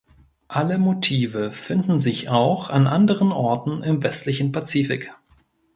Alle Motive finden sich auch an anderen Orten im westlichen Pazifik.